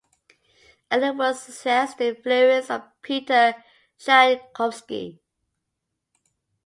Early works suggest the influence of Peter Tchaikovsky.